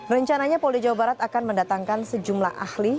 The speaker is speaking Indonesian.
rencananya polda jawa barat akan mendatangkan sejumlah ahli